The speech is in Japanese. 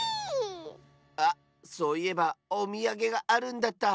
あっそういえばおみやげがあるんだった。